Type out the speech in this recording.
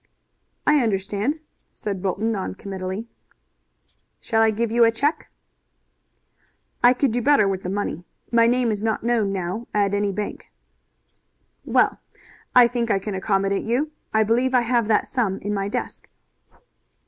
"I understand," said Bolton non committally. "Shall I give you a check?" "I could do better with the money. My name is not known now at any bank." "Well, I think I can accommodate you. I believe I have that sum in my desk."